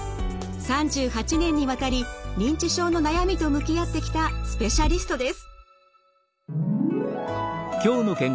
３８年にわたり認知症の悩みと向き合ってきたスペシャリストです。